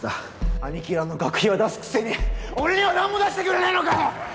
兄貴らの学費は出すくせに俺には何も出してくれねえのかよ！